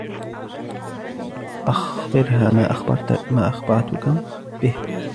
أخبرها ما أخبرتكَ به.